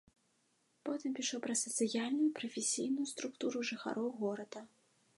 Потым пішу пра сацыяльную, прафесійную структуру жыхароў горада.